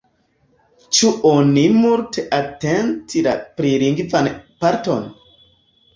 Ĉu oni multe atentis la prilingvan parton?